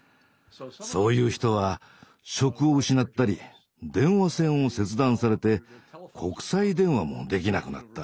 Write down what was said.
そういう人は職を失ったり電話線を切断されて国際電話もできなくなった。